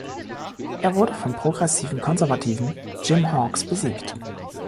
Er wurde vom progressiven Konservativen Jim Hawkes besiegt.